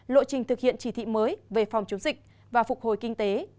lộ trình thực hiện chỉ thị mới về phòng chống dịch và phục hồi kinh tế